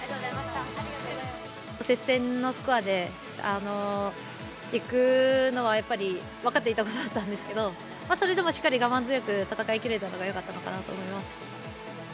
接戦のスコアでいくのはやっぱり分かっていたことだったんですけど、それでもしっかり我慢強く戦いきれたのがよかったかなと思います。